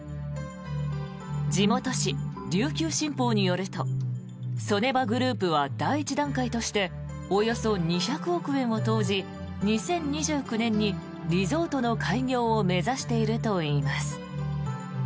地元紙・琉球新報によるとソネバグループは第１段階としておよそ２００億円を投じ２０２９年にリゾートの開業を目指しているといいます。